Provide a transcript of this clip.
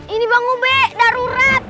ini bang ube darurat